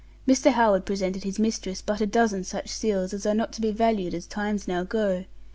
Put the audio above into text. Mr. Howard presented his mistress but a dozen such seals as are not to be valued as times now go.